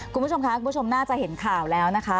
คุณผู้ชมค่ะคุณผู้ชมน่าจะเห็นข่าวแล้วนะคะ